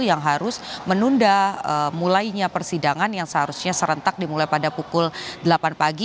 yang harus menunda mulainya persidangan yang seharusnya serentak dimulai pada pukul delapan pagi